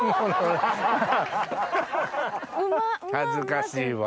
恥ずかしいわ。